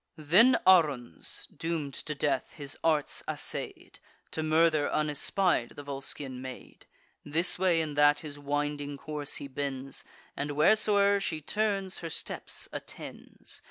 Then Aruns, doom'd to death, his arts assay'd, To murder, unespied, the Volscian maid: This way and that his winding course he bends, And, whereso'er she turns, her steps attends.